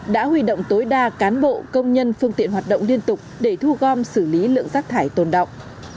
đã huy động tối đa cán bộ công nhân phương tiện hoạt động liên tục để thu gom xử lý lượng rác thải tồn động